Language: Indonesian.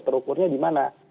terukurnya di mana